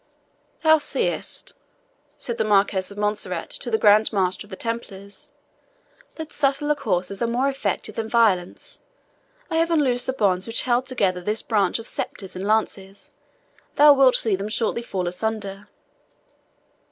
"Thou seest," said the Marquis of Montserrat to the Grand Master of the Templars, "that subtle courses are more effective than violence. I have unloosed the bonds which held together this bunch of sceptres and lances thou wilt see them shortly fall asunder."